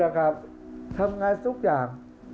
ภาคอีสานแห้งแรง